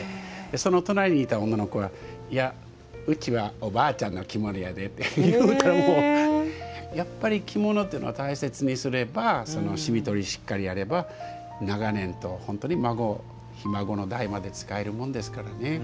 その隣にいた女の子がいや、うちはおばあちゃんの着物やでって言うたらやっぱり着物というのは大切にすれば染みとりしっかりやれば長年本当に孫、ひ孫の代まで使えるものですからね。